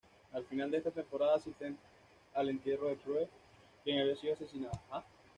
Al final de esta temporada, asiste al entierro de Prue, quien había sido asesinada.